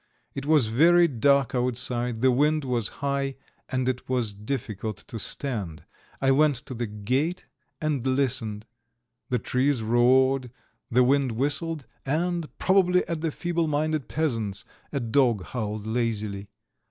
It was very dark outside, the wind was high, and it was difficult to stand. I went to the gate and listened, the trees roared, the wind whistled and, probably at the feeble minded peasant's, a dog howled lazily.